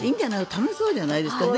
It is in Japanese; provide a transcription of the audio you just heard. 楽しそうじゃないですかね。